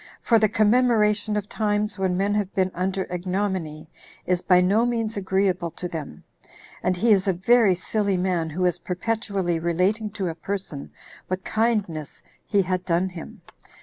For the commemoration of times when men have been under ignominy, is by no means agreeable to them; and he is a very silly man who is perpetually relating to a person what kindness he had done him.